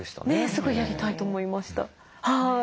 すぐやりたいと思いました。